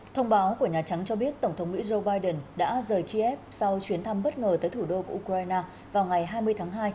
thông báo của nhà trắng cho biết tổng thống mỹ joe biden đã rời kiev sau chuyến thăm bất ngờ tới thủ đô của ukraine vào ngày hai mươi tháng hai